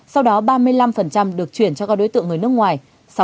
sau đó ba mươi năm được chuyển cho các đối tượng người nước ngoài